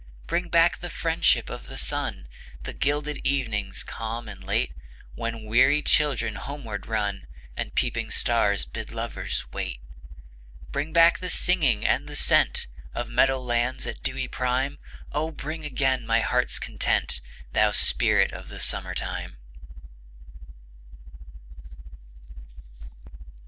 Bring back the friendship of the sun; The gilded evenings calm and late, When weary children homeward run, And peeping stars bid lovers wait. Bring back the singing; and the scent Of meadow lands at dewy prime; Oh, bring again my heart's content, Thou Spirit of the Summer time!